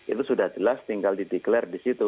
itu sudah jelas tinggal dideklarasi di situ